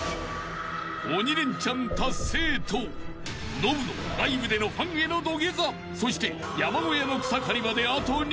［鬼レンチャン達成とノブのライブでのファンへの土下座そして山小屋の草刈りまであと２曲］